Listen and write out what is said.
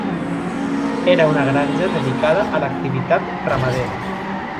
Era una granja dedicada a l'activitat ramadera.